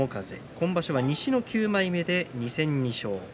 今場所は西の９枚目で２戦２勝。